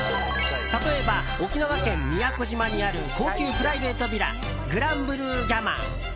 例えば、沖縄県宮古島にある高級プライベートヴィラグランブルーギャマン。